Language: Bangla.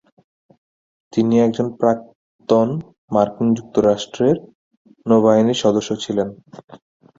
তিনি একজন প্রাক্তন মার্কিন যুক্তরাষ্ট্রের নৌবাহিনীর সদস্য ছিলেন।